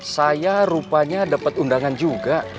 saya rupanya dapat undangan juga